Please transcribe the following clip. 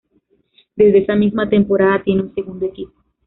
Desde esa misma temporada tiene un segundo equipo.